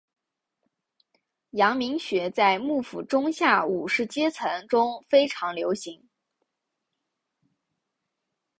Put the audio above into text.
阳明学在幕府中下武士阶层中非常流行。